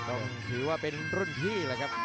ต้องถือว่าเป็นรุ่นที่